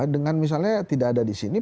dengan misalnya tidak ada di sini